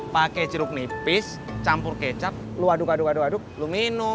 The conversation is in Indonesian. pake jeruk nipis campur kecap lo aduk aduk aduk aduk lo minum